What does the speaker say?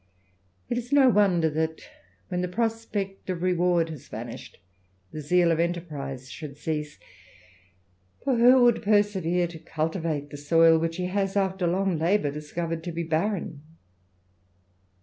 It is no wonder that when the prospect of reward has THE EAMBLER. 147 nished, the zeal ol entetprise should cease; for who would persevere to cultivate the soil which he has, after long labour, discovered lo be barren?